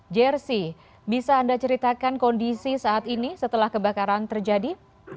jersi bisa anda ceritakan kondisi saat ini setelah kebakaran terjadi